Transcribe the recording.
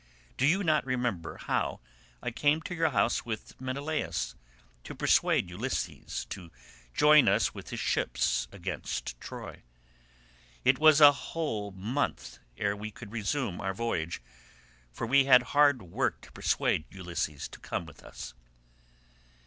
Do you not remember how I came to your house with Menelaus, to persuade Ulysses to join us with his ships against Troy? It was a whole month ere we could resume our voyage, for we had hard work to persuade Ulysses to come with us."